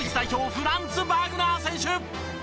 フランツ・バグナー選手。